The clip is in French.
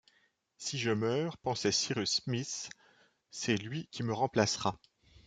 Si je meurs, pensait Cyrus Smith, c’est lui qui me remplacera